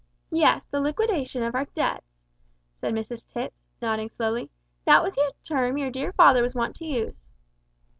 "Yes, the liquidation of our debts," said Mrs Tipps, nodding slowly; "that was the term your dear father was wont to use."